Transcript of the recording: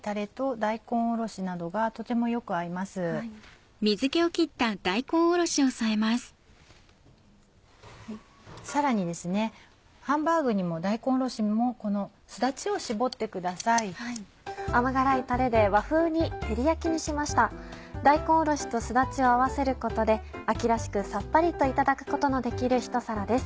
大根おろしとすだちを合わせることで秋らしくさっぱりといただくことのできるひと皿です。